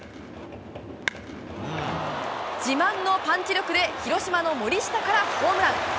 自慢のパンチ力で広島の森下からホームラン。